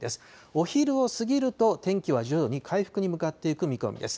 お昼を過ぎると、天気は徐々に回復に向かっていく見込みです。